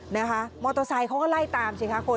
นะคะมอเตอร์ไซค์เขาก็ไล่ตามใช่ไหมครับคน